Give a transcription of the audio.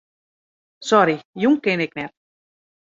Sorry, jûn kin ik net.